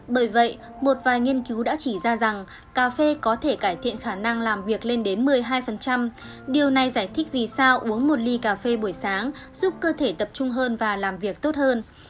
bởi vậy một vài nghiên cứu đã chỉ ra rằng cà phê có thể cải thiện khả năng làm việc lên đến một mươi hai điều này giải thích vì sao uống một ly cà phê buổi sáng giúp cơ thể tập trung hơn và làm việc tốt hơn